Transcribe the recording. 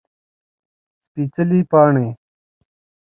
سپيڅلي پاڼې